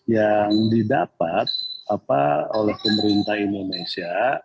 yang didapat oleh pemerintah indonesia